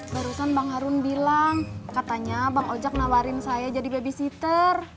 barusan bang harun bilang katanya bang ojek nawarin saya jadi babysitter